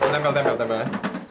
tempel tempel tempel ya